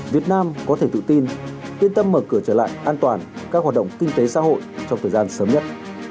việt nam có thể tự tin yên tâm mở cửa trở lại an toàn các hoạt động kinh tế xã hội trong thời gian sớm nhất